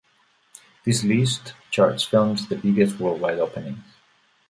This list charts films the biggest worldwide openings.